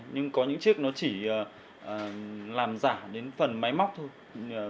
nhưng có những chiếc nó chỉ làm giả đến phần máy móc thôi